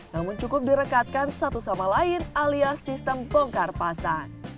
namun cukup direkatkan satu sama lain alias sistem bongkar pasan